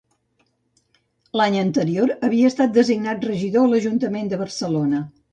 L'any anterior havia estat designat regidor a l'Ajuntament de Barcelona.